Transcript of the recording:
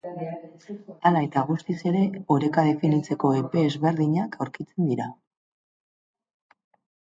Hala eta guztiz ere, oreka definitzeko epe ezberdinak aurkitzen dira.